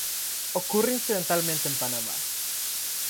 Ocurre incidentalmente en Panamá.